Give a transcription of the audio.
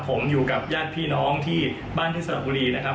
ผมอยู่กับญาติพี่น้องที่บ้านที่สระบุรีนะครับ